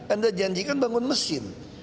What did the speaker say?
anda janjikan bangun mesin